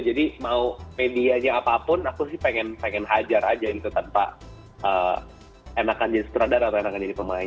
mau medianya apapun aku sih pengen hajar aja gitu tanpa enakan jadi sutradara atau enakan jadi pemain